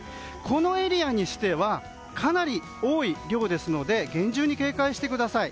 このエリアにしてはかなり多い量ですので厳重に警戒してください。